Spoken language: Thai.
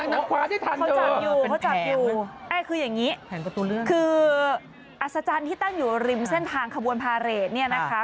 โอ๊ยนักขวาที่ทันเจอเป็นแผงคืออย่างนี้คืออัศจรรย์ที่ตั้งอยู่ริมเส้นทางขบวนพาเรดเนี่ยนะคะ